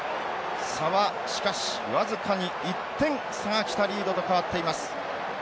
差はしかし僅かに１点佐賀北リードと変わっています。